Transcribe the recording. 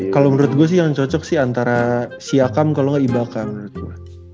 kalo menurut gua sih yang cocok sih antara siakam kalo gak ibaka menurut gua